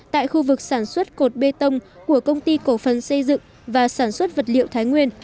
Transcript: tại khu vực sản xuất cột bê tông của công ty cổ phần xây dựng và sản xuất vật liệu thái nguyên